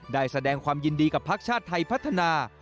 ได้แสดงความยินดีกับพักชาติไทยพัฒนา